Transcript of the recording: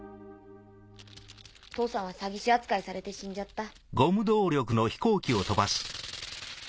父さんはサギ師あつかいされて死んじゃった。